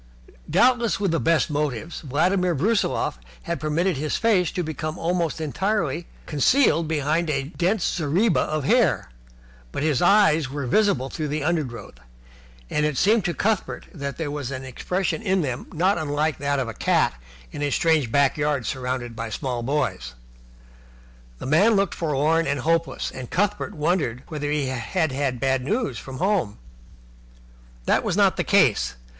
Doubtless with the best motives, Vladimir Brusiloff had permitted his face to become almost entirely concealed behind a dense zareba of hair, but his eyes were visible through the undergrowth, and it seemed to Cuthbert that there was an expression in them not unlike that of a cat in a strange backyard surrounded by small boys. The man looked forlorn and hopeless, and Cuthbert wondered whether he had had bad news from home. This was not the case.